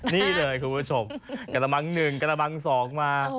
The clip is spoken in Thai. นี่เลยคุณผู้ชมกระมัง๑กระบัง๒มา